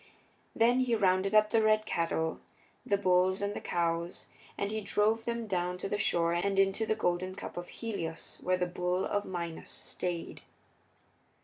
Then he rounded up the red cattle, the bulls and the cows, and he drove them down to the shore and into the golden cup of Helios where the bull of Minos stayed.